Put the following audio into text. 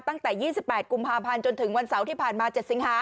ตั้งแต่๒๘กุมภาพันธ์จนถึงวันเสาร์ที่ผ่านมา๗สิงหา